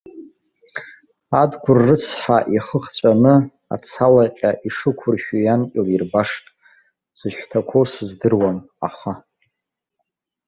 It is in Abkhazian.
Адгәыр рыцҳа ихы хҵәаны ацалаҟьа ишықәыршәу иан илирбашт, дзышьҭақәоу сыздыруам, аха.